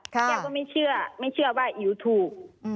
แก้วก็ไม่เชื่อไม่เชื่อว่าอิ๋วถูก